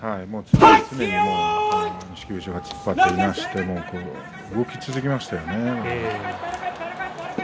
錦富士が突っ張っていなして動き続けましたよね。